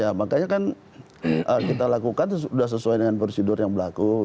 ya makanya kan kita lakukan sudah sesuai dengan prosedur yang berlaku